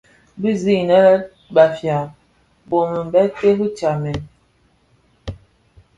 Bi sig anë lè Bafia bomid bè terri tsamèn.